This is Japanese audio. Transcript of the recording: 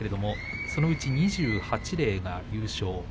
そのうち２８例は優勝。